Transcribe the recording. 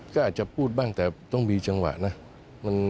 ก็อาจจะพูดบ้างแต่ต้องมีจังหวะนะ